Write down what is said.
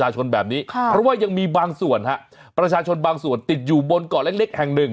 ชนแบบนี้ค่ะเพราะว่ายังมีบางส่วนฮะประชาชนบางส่วนติดอยู่บนเกาะเล็กเล็กแห่งหนึ่ง